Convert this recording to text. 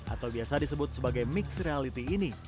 atau biasa disebut sebagai mixed reality ini